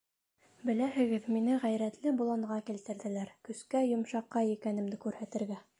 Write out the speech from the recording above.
Беләһегеҙ, мине ғәйрәтле боланға килтерҙеләр — көскә йомшаҡай икәнемде күрһәтергә.